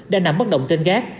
đang nằm bất động trên gác